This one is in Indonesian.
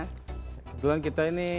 kemudian kita ini